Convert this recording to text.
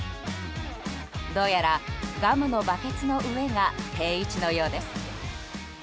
どうやら、ガムのバケツの上が定位置のようです。